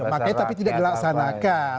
makanya tapi tidak dilaksanakan